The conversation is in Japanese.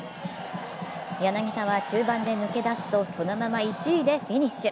柳田は中盤で抜け出すとそのまま１位でフィニッシュ。